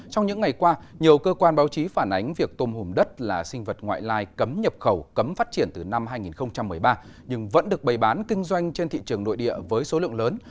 trong những ngày qua nhiều cơ quan báo chí phản ánh việc tôm hùm đất là sinh vật ngoại lai cấm nhập khẩu cấm phát triển từ năm hai nghìn một mươi ba nhưng vẫn được bày bán kinh doanh trên thị trường nội địa với số lượng lớn